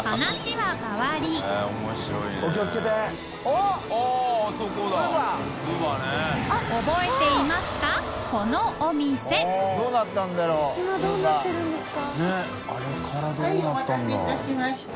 はいお待たせいたしました。